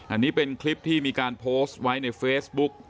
อันนี้เป็นคลิปที่มีการโพสต์ไว้ในเฟซบุ๊ก